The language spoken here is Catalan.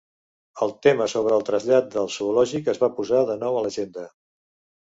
El tema sobre el trasllat del zoològic es va posar de nou a l'agenda.